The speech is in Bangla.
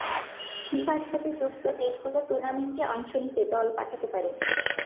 ফিফার সাথে যুক্ত দেশগুলো টুর্নামেন্টে অংশ নিতে দল পাঠাতে পারে।